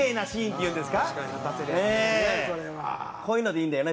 こういうのでいいんだよね？